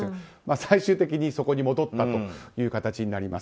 最終的にそこに戻ったという形になります。